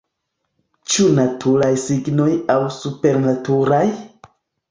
Ĉu naturaj signoj aŭ supernaturaj?